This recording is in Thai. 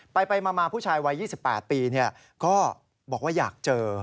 ไปมาผู้ชายวัย๒๘ปีก็บอกว่าอยากเจอ